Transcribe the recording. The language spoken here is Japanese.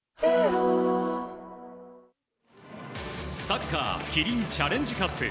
サッカーキリンチャレンジカップ。